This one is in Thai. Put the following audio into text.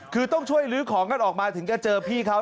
คือต้องช่วยลื้อของกันออกมาถึงจะเจอพี่เขา